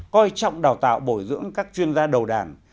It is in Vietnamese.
coi trọng đào tạo bồi dưỡng các chuyên gia đầu đàn